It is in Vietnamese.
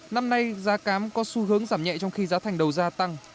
năm nay giá cám có xu hướng giảm nhẹ trong khi giá thành đầu ra tăng